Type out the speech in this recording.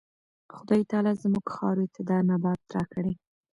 خدای تعالی زموږ خاورې ته دا نبات راکړی.